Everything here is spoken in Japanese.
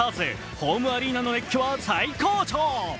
ホームアリーナの熱気は最高潮。